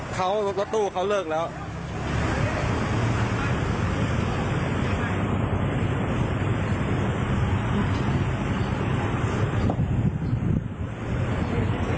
เขารถตู้เขาเลิกแล้ว